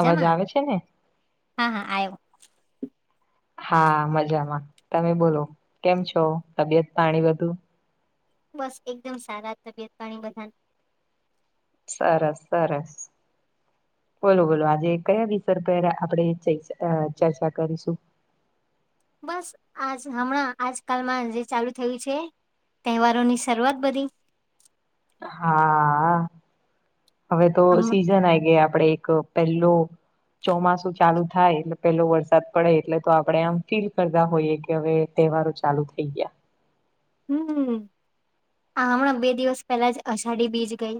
અવાજ આવે છે ને હા હા આવ્યો હા મજામાં તમે બોલો કેમ છો તબિયત પાણી બધું બસ એકદમ સારા તબિયત પાણી બધા. સરસ સરસ. બોલો બોલો આજે કયા વિતર પર આપણે ચર્ચા કરીશું. બસ આજ હમણાં આજ કલમાં જે ચાલુ થયું છે. તહેવારોની શરૂઆત બધી. હા હવે તો હમ સીઝન આ ગયા આપડે એક. પલું. ચોમાસું ચાલુ થાય એટલે પેલો વરસાદ પડે એટલે તો આપણેે આમ ફીલ કરતા હોઈએ કે હવે. તહેવારો ચાલુ થઈ ગયા હમ હમણાં બે દિવસ પહેલા જ અષાઢી બીચ ગઈ.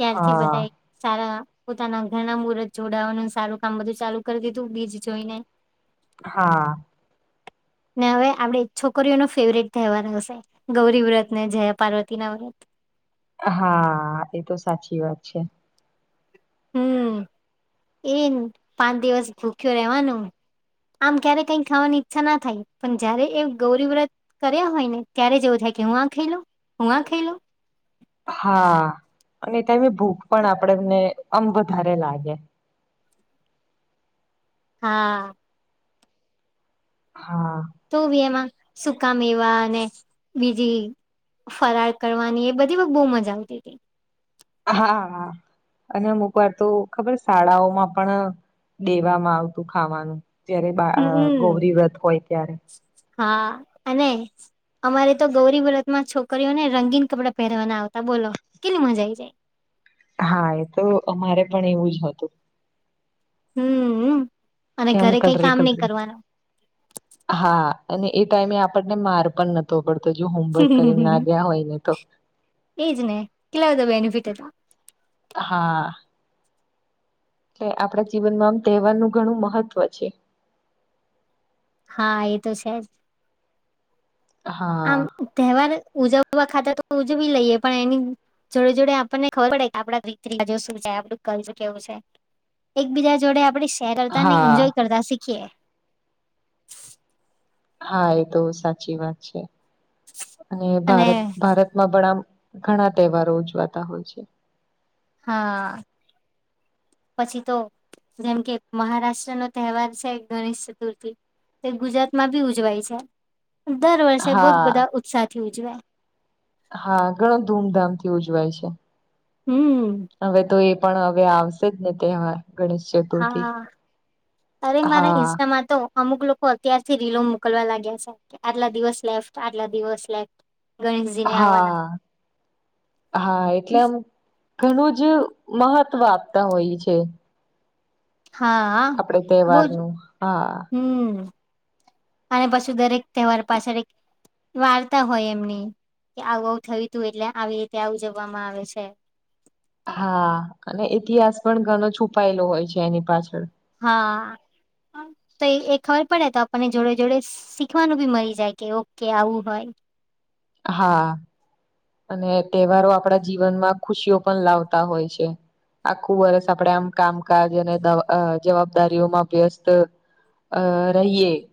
ત્યારથી હા બધા. સારા પોતાના ઘરના મુહર્ત જોડાવાનું સારું કામ બધું ચાલુ કરી દીધું બીજ જોઈને. હા. ને હવે આપણેે છોકરીઓનો ફેવરેટ તહેવાર હશે ગૌરી વ્રત ને જયા પાર્વતી ના વ્રત. હા એ તો સાચી વાત છે. હમ [inaudible] એ પાંચ દિવસ ભૂખ્યો રેવાનું. આમ ક્યારે કઈ ખાવાની ઈચ્છા ના થાય પણ જયારે એ ગૌરી વ્રત. કર્યા હોય ને ત્યારે જ એવું થાય કે હું આ ખાઈલો હું આ ખાઈલો. હા અને તમ ભૂખ પણ આપડને આમ વધારે લાગે. હા. હા. તો બી એમાં સુકા મેવા અને બીજી. ફરાર કરવાની એ બધી બહુ મજા આવતી હતી. હા હા. અને અમુક વાર તો ખબર શાળાઓમાં પણ દેવામાં આવતું ખાવાનું? જયારે બા હમ ગૌરી વ્રત હોય ત્યારે. હા અને. અમારે તો ગૌરી વ્રત માં છોકરીઓને રંગીન કપડા પહેરવાના આવતા બોલો કેટલી મજા આવીઈ જાય. હા એ તો અમારે પણ એવું જ હતું. હમ્મ અ અને કે આમ ઘરે કઈ કલરે કામ નહી કલરે કરવાનું? હા અને એ ટાઈમે આપણને માર પણ નતો પડતો જો હોમવર્ક કરીને ના ગ્યા હોય ને તો. એજ ને, કેટલા બધા બેનિફિટ હતા. હા. એટલે આપણા જીવનમાં આમ તેહવાર નું ઘણું મહત્વ છે. હા એ તો છે જ. હા આમ તેહવાર ઉજાવા ખાતે તો ઉજવી લઈએ પણ એની જોડે જોડે આપણને ખબર પડે કે આપડા રીતિ રિવાજો શું છે, આપડું કલ્ચર કેવું છે. એક બીજા જોડે આપડે શેર કરતા ને હા ઇન્જોય કરતા શીખીએ. હા એ તો સાચી વાત છે અને ભારત ભારતમાં પણ આમ ઘણા તેહવારો ઉજવાતા હોય છે. હા, પછી તો જેમ કે મહારાષ્ટ્ર નો તેહવાર છે ગણેશ ચતુર્થી. તે ગુજરાત માં ભી ઉજવાય છે. દર વર્ષે બૂજ હા બધા ઉત્સાહ થી ઉજવે. હા ઘણો ધૂમધામ થી ઉજવાય છે. હમ્મ. હવે તો એ પણ હવે આવશે જ ને તેહવાર ગણેશ ચ હા અરે મારા હા ઇન્સ્ટામાં તો અમુક લોકો અત્યારથી રીલો મોકલવા લાગ્યા છે કે આટલા દિવસ લેફ્ટ, આટલા દિવસ લેફ્ટ. ગણેશજી ને આવવાના હા, હા એટલે આમ ઘણું જ મહત્વ આપતા હોઈ છે. હા, આપડે બૂજ તહેવારનું હા હમ્મ. અને પાછું દરેક તેહવાર પાછળ એક વાર્તા હોય એમની, કે આવું આવું થયુ તું એટલે આવી રીતે આ ઉજવામાં આવે છે. હા અને ઇતિહાસ પણ ઘણો છુપાયેલો હોય છે એની પાછળ. હા. તો એ એ ખબર પડે તો આપણને જોડે જોડે શીખવાનું બી મરી જાય કે ઓ કે આવું હોય. હા. અને તેહવારો આપણા જીવનમાં ખુશીઓ પણ લાવતા હોય છે. આખું વર્ષ આપડે આમ કામકાજ અને દ અ જવાબદારીઓમાં વ્યસ્ત અ રહીએ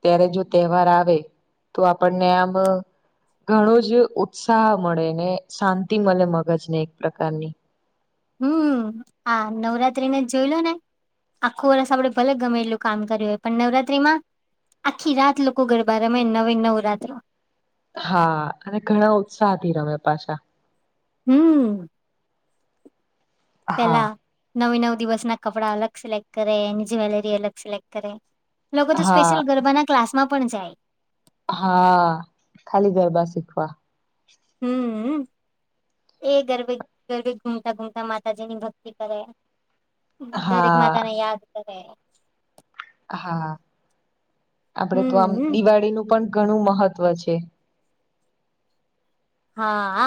ત્યારે જો તેહવાર આવે તો આપણને આમ, ઘણું જ ઉ ઉત્સાહ મળે ને શાંતિ મલે મગજને એક પ્રકારની. હમ્મ આ નવરાત્રીને જ જોઈ લો ને? આખું વરષ આપડે ભલે ગમે એટલું કામ કર્યું હોય પણ નવરાત્રીમાં આખી રાત લોકો ગરબા રમે નવી નવરાત્ર. હા અને ઘણા ઉત્સાહથી રમે પાછા. હમ્મ. હા પેલા, નવે નવ દિવસ ના કપડા અલગ સિલેક્ટ કરે, એની જ્વેલરી અલગ સિલેક્ટ કરે. લોકો તો હા સ્પેશિયલ ગરબાના ક્લાસમાં પણ જાય. હા, ખાલી ગરબા શીખવા. હમ્મઅ, એ ગરબે ગરબે ઘૂમતા ઘૂમતા માતાજી ની ભક્તિ કરે. દરેક હા માતા ને યાદ કરે. હા આપડે તો આમ હમ્મ. દિવાળીનું પણ ઘણું મહત્વ છે. હાઆ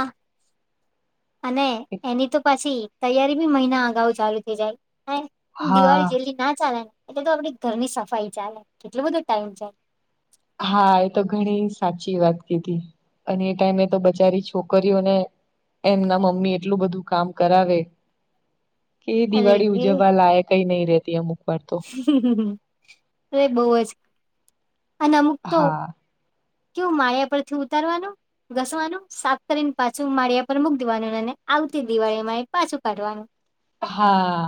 અને એની તો પાસી તૈયારી બી મહિના અગાઉ ચાલુ થઈ જાય. અને હા દિવાળી જેટલી ના ચાલે ને એટલે તો આપડી ઘરની સફાઈ ચાલે, કેટલો બધો ટાઈમ જાય! હા એ તો ઘણી સાચી વાત કીધી. અને એ ટાઈમે તો બચારી છોકરીઓને એમના મમ્મી એટલું બધું કામ કરાવે. કે એ અરે દિવાળી રે ઉજવા લાયકય નહી રેતી અમુક વાર તો. અરે બઉ જ અને અમુક તો હા કેવું માળિયા પરથી ઉતારવાનું. ઘસવાનું, સાફ કરીને પાછું માળિયા પર મૂક દેવાનું અને આવતી દિવાળીમાં એ પાછું કાઢવાનું. હા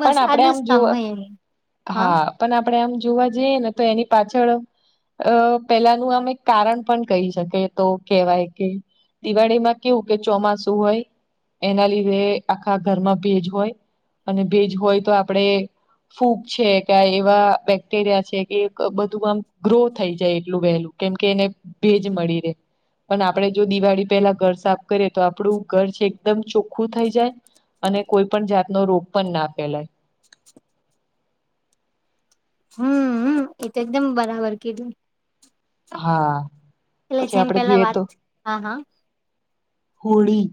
બસ પણ આપડે આટલું આમ જ કામ જોવા હોય એ હા પન આપડે આમ જોવા જઈએ ને તો એની પાછળ અ પેલાનું આમ એક કારણ પણ કહી શકે તો કેહેવાય કે દિવાળીમાં કેવું કે ચોમાસું હોય. એના લીધે આખા ઘરમાં ભેજ હોય અને ભેજ હોય તો આપણેે ફૂગ છે કે એવા બેક્ટેરિયા છે કે એક બધું આમ ગ્રો થઈ જાય એટલું વહેલું. કેમ કે એને ભેજ મળી રે. પણ આપડે જો દિવાળી પેલા ઘર સાફ કરીએ તો આપડું ઘર છે એકદમ ચોખ્ખું થઈ જાય. અને કોઈ પણ જાતનો રોગ પણ ના ફેલાય. હમ એ તો એકદમ બરાબર કીધું. હા એટલે પછી જેમ આપડે પેલા જોઈએ વાત તો હા હા હોળી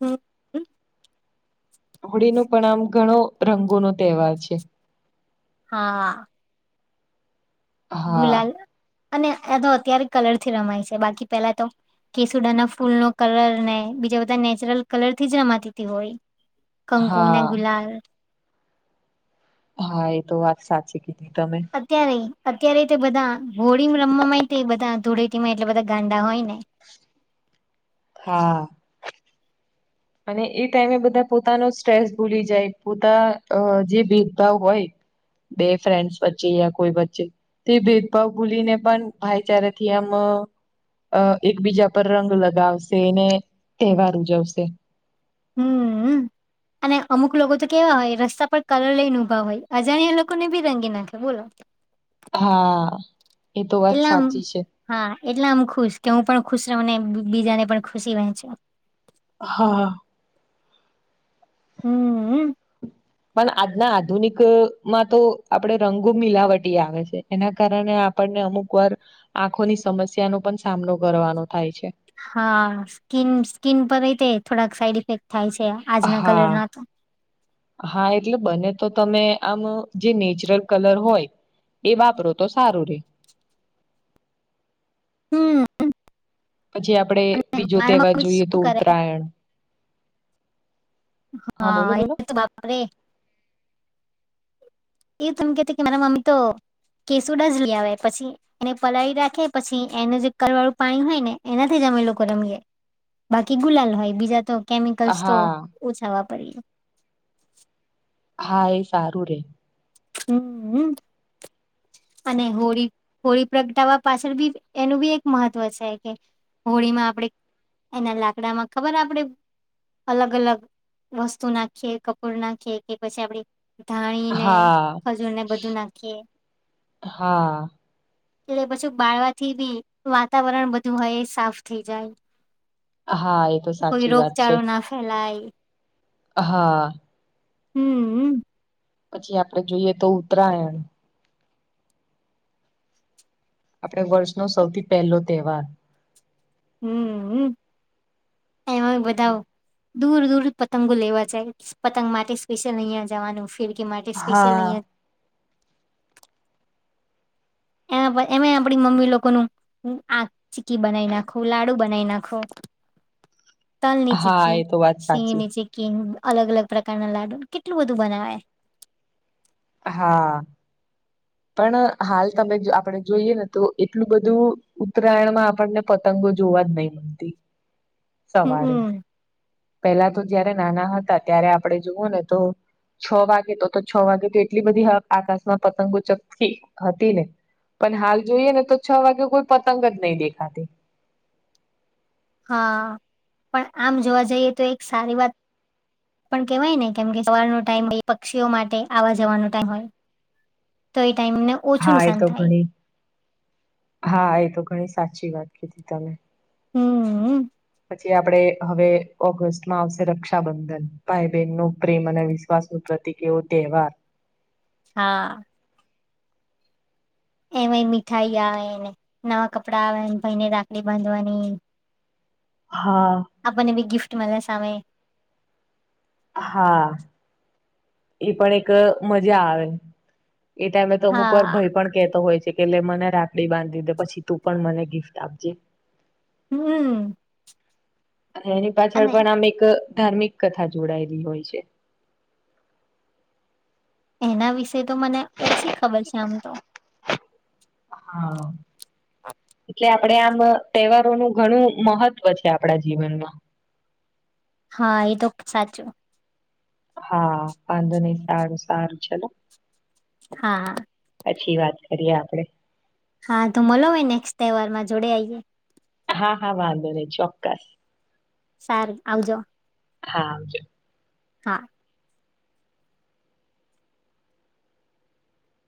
હમ હમ હોળીનો પણ આમ ઘણો રંગોનો તહેવાર છે. હા હા ગુલાલ અને આ તો અત્યારે કલરથી રમાય સે બાકી પેલા તો કેસુડાના ફૂલનો કલરને બીજા બધા નેચરલ કલર થી જ રમાતી તી હોળી. કંકુ ને હા ગુલાલ હા એ તો વાત સાચી કીધી તમે. અત્યારે અત્યારે તે બધા હોળી રમવા માંય તે બધા ધૂળેટીમાં એટલા બધા ગાંડા હોય ને. હા અને એ ટાઈમે બધા પોતાનો સ્ટ્રેસ ભૂલી જાય પોતા અ જે ભેદભાવ હોય. બે ફ્રેન્ડ્સ વચ્ચે યા કોઈ વચ્ચે તે ભેદભાવ ભૂલી ને પન ભાઈચારાથી આમ અ એકબીજા પર રંગ લગાવશે ને, તહેવાર ઉજવશે. હમ હમ અને અમુક લોકો તો કેવા હોય રસ્તા પર કલર લઈ ને ઉભા હોય અજાણ્યા લોકોને બી રંગી નાખે બોલો. હા એ તો વાત એટલે આમ સાચી છે હા એટલે આમ ખુશ કે હું પણ ખુશ રહું ને બીજા ને પણ ખુશી વહેંચું. હા હમ હમ પણ આજના આધુનિકમાં તો આપડે રંગો મિલાવટી આવે છે. એના કારણે આપણને અમુક વાર આંખોની સમસ્યાનો પણ સામનો કરવાનો થાય છે. હા સ્કીન સ્કીન પરે તે થોડાક સાઈડ ઇફેક્ટ થાય સે. હા હા એટલે બને તો તમે આમ જે નેચરલ કલર હોય. એ વાપરો તો સારું રે. હમ અમ પછી આપણે બીજો તહેવાર મમ્મી જોઈએ તો શું કરે ઉત્તરાયણ બોલો હા એ બોલો તો બાપ રે! ઈ તમ કેતી કે મારા મમ્મી તો કેસુડા જ લઈ આવે પછી એને પલાળી રાખે પછી એનું જે કરળ વાળું પાણી હોય ને એનાથી જ અમે લોકો રમીએ. બાકી ગુલાલ હોય બીજા તો કેમિકલ્સ તો હા ઓછા વાપરીએ. હા એ સારું રે. હમ અમ અને હોળી હોળી પ્રગટાવા પાછળ બી એનું બી એક મહત્વ છે કે હોળીમાં આપણેે એના લાકડામાં ખબર આપડે અલગ અલગ વસ્તુ નાખીએ કપૂર નાખીએ કે પછી આપડી ધાણી ને હા ખજૂર ને બધું નાખીએ. હા એટલે પછી બાળવાથી બી વાતાવરણ બધું હોય એ સાફ થઈ જાય. હા એ તો સાચી વાત છે. ખેલાઈ હા હમમમ પછી આપણે જોઈએ તો ઉત્તરાયણ આપડે વર્ષનો સૌથી પેલો તહેવાર. હમ હમ એમાં બધા. દૂર દૂર પતંગો લેવા જાય પતંગ માટે સ્પેશિયલ અહિયાં જાવાનું. ફિરકી માટે સ્પેશિયલ હા અહિયાં એના એમે આપણી મમ્મી લોકોનું આ ચીકી બનાઈ નાખો, લાડુ બનાઈ નાખો. તલની હા ચીકી, એ તો વાત સાચી શીંગની ચીકી અલગ અલગ પ્રકારના લાડુ કેટલું બધું બનાવે. હા પણ હાલ તમે જો આપણેે જોઈએ ને તો એટલું બધું ઉત્તરાયણમાં આપણને પતંગો જોવા જ નહીં મલતી સવારે. હમ પેલા તો જયારે નાના હતા ત્યારે આપણે જુઓ ને તો છ વાગે તો તો છ વાગે તો એટલી બધી આકાશમાં પતંગો ચગતી હતી ને. પણ હાલ જોઈએ ને તો છ વાગે કોઈ પતંગ જ નહીં દેખાતી. હા પણ આમ જોવા જઈએ તો એક સારી વાત. પણ કેવાય ને કેમ કે સવાર ન ટાઈમ હોય પક્ષીઓ માટે આવા જવાનો ટાઈમ હોય. તોઈ ટાઈમ ને. હા એ તો ઘણી હા એતો ઘણી સાચી વાત કીધી તમે. હમ. પછી આપ હવે ઓગસ્ટમાં આવશે રક્ષાબંધન ભાઈ બહેન નું પ્રેમ અને. [unintelligible] પ્રતિક એવો તહેવાર. હા. એમાંય મીઠાઈ આવેને નવા કપડાં આવેને ભાઈને રાખડી બાંધવાની. હા. આપને બી ગિફ્ટ મળ્યા સામે. હા. એ પણ એક મજા આવે એ ટાઈમે તો અમુક વાર હા ભય પણ કેહેતો હોય છે. એટલે મને રાપડી બાંધી દે પછી તું પણ મને ગિફ્ટ આપજે. હમ. એની પાછળ અને પણ આમ એક ધાર્મિક કથા જોડાયેલી હોય છે. એના વિશે તો મને ઓછી. ખબર છે આમ તો. હા. એટલે આપે આમ તહેવારોનું ઘણું મહત્વ છે આપણા જીવનમાં. હા એ તો સાચું. હા વાંધો નહી સારું સારું ચલો. હા હા. અચછી વાત કરીએ આપડે. હા તો મલો હોય નેક્સ્ટ તહેવાર માં જોડે આઈએ. હા હા વાંધો નહી ચોક્કસ. સારુ આવજો. હા આવજો હા.